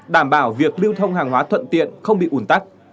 đảm bảo việc lưu thông hàng hóa thuận tiện không bị ủn tắc